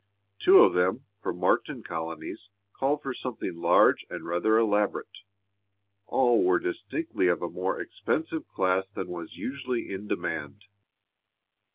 Two of them, for martin colonies, called for something large and rather elaborate. All were distinctly of a more expensive class than was usually in demand.